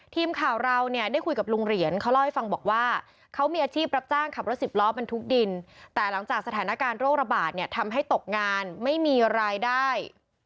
ทีมข่าวเราเนี่ยได้คุยกับลุงเหรียญเขาเล่าให้ฟังบอกว่าเขามีอาชีพรับจ้างขับรถสิบล้อบรรทุกดินแต่หลังจากสถานการณ์โรคระบาดเนี่ยทำให้ตกงานไม่มีรายได้